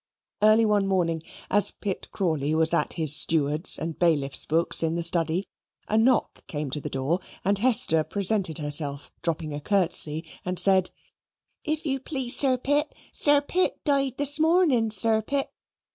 Early one morning, as Pitt Crawley was at his steward's and bailiff's books in the study, a knock came to the door, and Hester presented herself, dropping a curtsey, and said, "If you please, Sir Pitt, Sir Pitt died this morning, Sir Pitt.